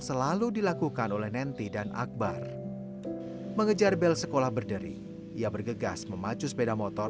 selalu dilakukan oleh nenty dan akbar mengejar bel sekolah berderi ia bergegas memacu sepeda motor